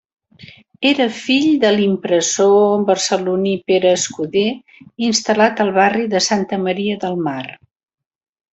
Era fill de l'impressor barceloní Pere Escuder instal·lat al barri de Santa Maria del Mar.